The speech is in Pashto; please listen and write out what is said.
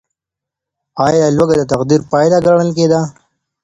ايا لوږه د تقدير پايله ګڼل کيده؟